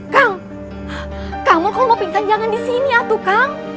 kang kamu kalau mau pingsan jangan disini atu kang